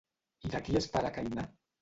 I de qui és pare Cainà?